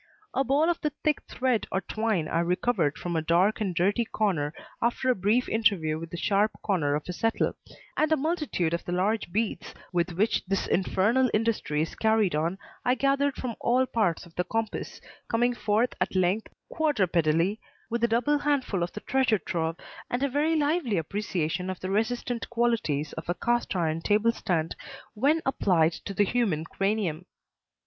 A ball of the thick thread or twine I recovered from a dark and dirty corner after a brief interview with the sharp corner of a settle, and a multitude of the large beads with which this infernal industry is carried on I gathered from all parts of the compass, coming forth at length (quadrupedally) with a double handful of the treasure trove and a very lively appreciation of the resistant qualities of a cast iron table stand when applied to the human cranium.